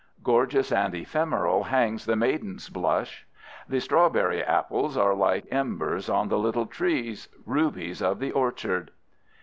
Gorgeous and ephemeral hangs the Maiden's Blush. The strawberry apples are like embers on the little trees, rubies of the orchard.